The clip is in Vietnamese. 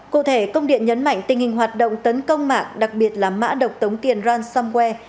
cụ thể công điện nhấn mạnh tình hình hoạt động tấn công mạng đặc biệt là mã độc tống tiền ransomware